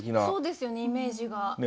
そうですよねイメージが。